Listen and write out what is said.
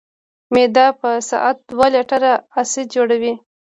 معده په ساعت دوه لیټره اسید جوړوي.